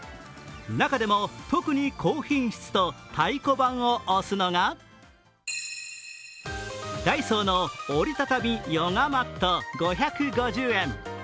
中でも特に高品質と太鼓判を押すのが、ダイソーの折り畳みヨガマット５５０円。